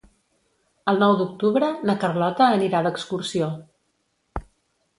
El nou d'octubre na Carlota anirà d'excursió.